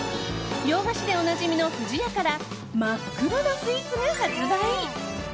洋菓子でおなじみの不二家から真っ黒なスイーツが発売。